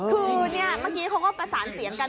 คือเมื่อกี้เขาก็ประสานเสียงกัน